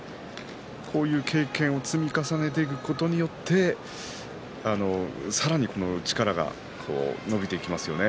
こうした経験を積み重ねていくことによってさらに力が伸びてきますよね。